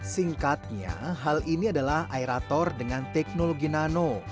singkatnya hal ini adalah aerator dengan teknologi nano